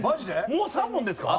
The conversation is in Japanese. もう３問ですか？